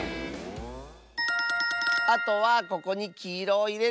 あとはここにきいろをいれるんだね！